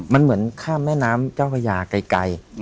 มันเหมือนข้ามแม่น้ำเจ้าพญาไกล